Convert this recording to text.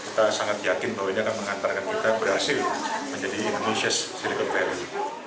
kita sangat yakin bahwa ini akan mengantarkan kita berhasil menjadi indonesia's silicon valley